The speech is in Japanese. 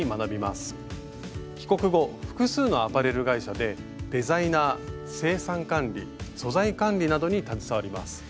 帰国後複数のアパレル会社でデザイナー生産管理素材管理などに携わります。